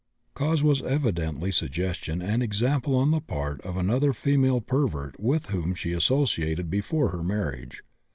Cause was evidently suggestion and example on the part of another female pervert with whom she associated before her marriage.